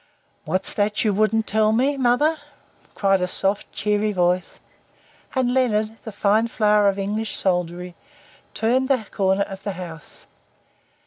"What's that you wouldn't tell, mother?" cried a soft, cheery voice, and Leonard, the fine flower of English soldiery, turned the corner of the house.